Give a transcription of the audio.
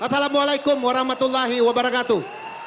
assalamu'alaikum warahmatullahi wabarakatuh